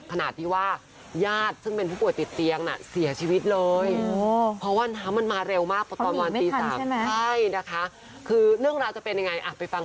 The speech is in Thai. ขนาดที่ว่าญาติซึ่งเป็นผู้ป่วยติดเตียงน่ะเสียชีวิตเลย